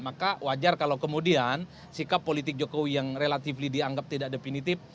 maka wajar kalau kemudian sikap politik jokowi yang relatively dianggap tidak definitif